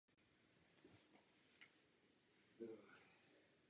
O dva roky později získala na evropském šampionátu v Bernu bronzovou medaili.